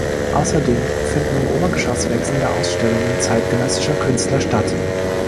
Außerdem finden im Obergeschoss wechselnde Ausstellungen zeitgenössischer Künstler statt.